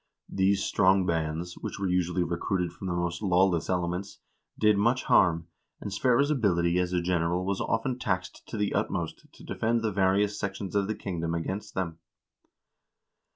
These strong bands, which were usually recruited from the most lawless elements, did much harm, and Sverre's ability as a general was often taxed to the utmost to defend the various sections of the kingdom against them.